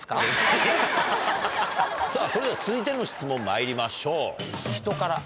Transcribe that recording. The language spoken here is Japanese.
それでは続いての質問まいりましょう。